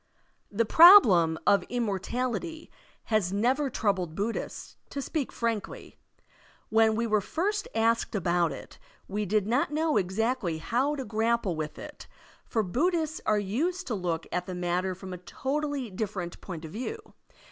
The probletn of immortality has never troubled Buddhists, to speak frankly. When we were first asked about it, we did not know exactly how to grapple with it, for Buddhists are used to look at the matter from a totally different point of view.